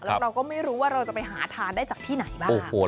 แล้วเราก็ไม่รู้ว่าเราจะไปหาทานได้จากที่ไหนบ้าง